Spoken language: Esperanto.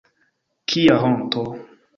Kia honto!